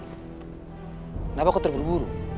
kenapa kau terburu buru